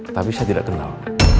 tapi saya tidak kenal